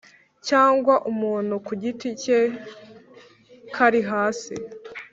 cyangwa umuntu ku giti cye kari hasi